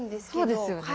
そうですよね。